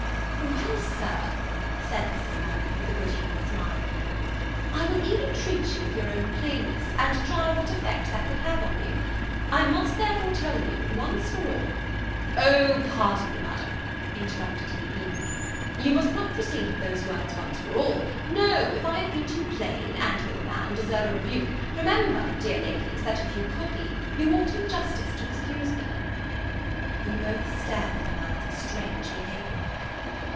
"Well, Sir," said Mrs. Mirvan (with a good humoured smile), "I will even treat you with your own plainness, and try what effect that will have on you: I must therefore tell you, once for all " "O pardon me, Madam!" interrupted he, eagerly, "you must not proceed with those words once for all; no, if I have been too plain, and though a man, deserve a rebuke, remember, dear ladies that if you copy, you ought in justice to excuse me." We both stared at the man's strange behaviour.